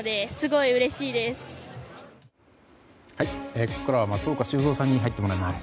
ここからは松岡修造さんに入ってもらいます。